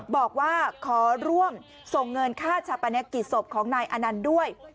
บอกว่าขอร่วมส่งเงินค่าชาปนกิจศพของนายอนันต์ด้วย